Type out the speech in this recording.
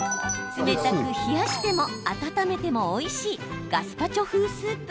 冷たく冷やしても温めてもおいしいガスパチョ風スープ。